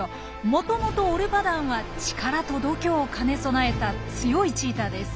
もともとオルパダンは力と度胸を兼ね備えた強いチーターです。